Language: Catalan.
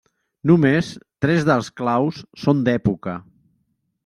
Només tres dels claus són d'època.